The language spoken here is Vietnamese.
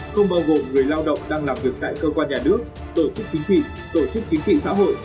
không bao gồm người lao động đang làm việc tại cơ quan nhà nước tổ chức chính trị tổ chức chính trị xã hội